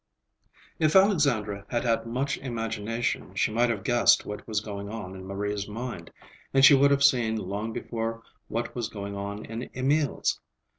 II If Alexandra had had much imagination she might have guessed what was going on in Marie's mind, and she would have seen long before what was going on in Emil's.